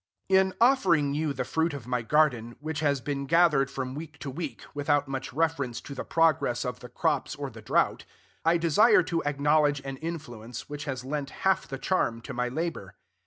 In offering you the fruit of my garden, which has been gathered from week to week, without much reference to the progress of the crops or the drought, I desire to acknowledge an influence which has lent half the charm to my labor.